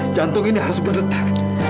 jantung ini harus bergetak